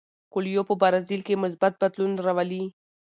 کویلیو په برازیل کې مثبت بدلون راولي.